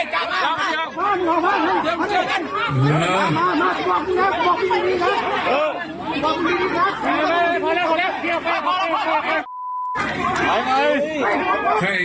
ตอนนี้เลนส์ปืนไม่ได้